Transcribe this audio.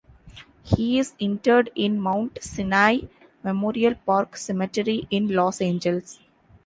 He is interred in Mount Sinai Memorial Park Cemetery in Los Angeles.